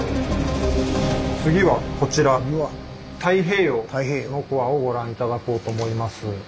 次はこちら太平洋のコアをご覧頂こうと思います。